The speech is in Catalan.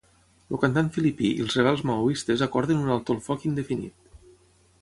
El cantant filipí i els rebels maoistes acorden un alto el foc indefinit.